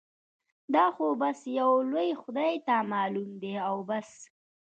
دا خو بس يو لوی خدای ته معلوم دي او بس.